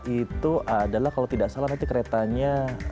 itu adalah kalau tidak salah nanti keretanya